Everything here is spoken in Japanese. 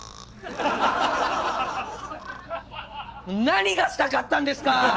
何がしたかったんですか！？